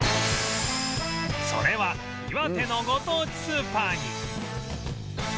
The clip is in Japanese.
それは岩手のご当地スーパーに